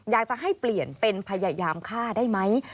อยากจะให้เปลี่ยนเป็นพยายามฆ่าได้ไหม